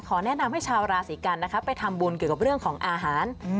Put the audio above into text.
แนะนำให้ชาวราศีกันนะคะไปทำบุญเกี่ยวกับเรื่องของอาหาร